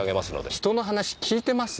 人の話聞いてます？